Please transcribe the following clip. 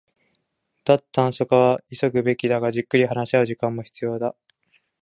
脱炭素化は急ぐべきだが、じっくり話し合う時間も必要だ